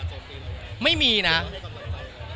ไม่มีก็มีคำสั่งทุกครั้ง